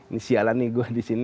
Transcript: ini sialan nih gue disini